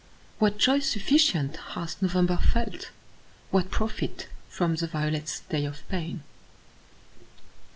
What joy sufficient hath November felt? What profit from the violet's day of pain?